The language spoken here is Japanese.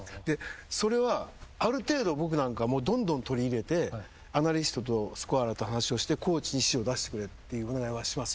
それはある程度僕なんかはどんどん取り入れてアナリストとスコアラーと話をしてコーチに指示を出してくれっていうお願いはします。